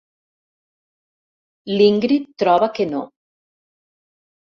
L'Ingrid troba que no.